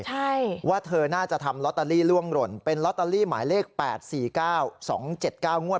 ใช่ว่าเธอน่าจะทำลอตเตอรี่ล่วงหล่นเป็นลอตเตอรี่หมายเลข๘๔๙๒๗๙งวด